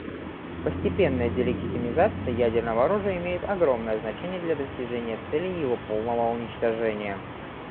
Постепенная «делегитимизация» ядерного оружия имеет огромное значение для достижения цели его полного уничтожения.